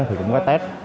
thì cũng có test